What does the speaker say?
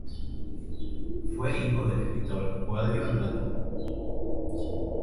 Fue hijo del escritor Coelho Neto.